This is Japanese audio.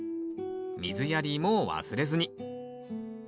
水やりも忘れずに。